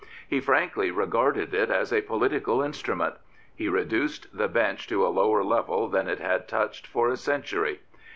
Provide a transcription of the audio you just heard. He frankly regarded it as a political instrument. He reduced the Bench to a lower level than it had touched for a century.